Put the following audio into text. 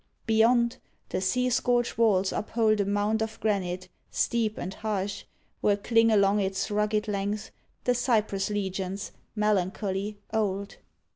Beyond, the sea scourged walls uphold A mount of granite, steep and harsh, where cling Along its rugged length The cypress legions, melancholy, old.